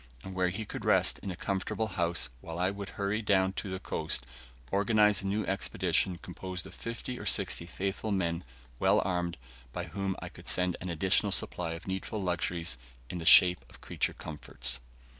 and where he could rest in a comfortable house, while I would hurry down to the coast, organise a new expedition composed of fifty or sixty faithful men, well armed, by whom I could send an additional supply of needful luxuries in the shape of creature comforts.